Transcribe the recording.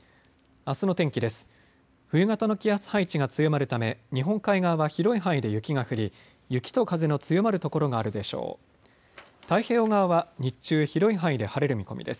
あすの天気です。